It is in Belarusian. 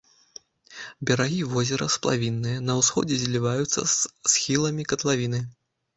Берагі возера сплавінныя, на ўсходзе зліваюцца з схіламі катлавіны.